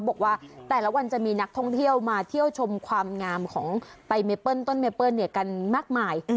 บอกว่าแต่ละวันจะมีนักท่องเที่ยวมาเที่ยวชมความงามของไตเมเปิ้ลต้นเมเปิ้ลกันมากมาย